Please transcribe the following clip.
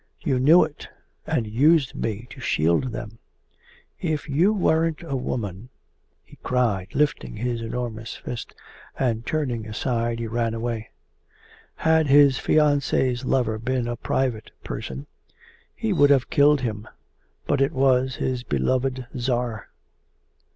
'You knew it, and used me to shield them! If you weren't a woman...!' he cried, lifting his enormous fist, and turning aside he ran away. Had his fiancee's lover been a private person he would have killed him, but it was his beloved Tsar.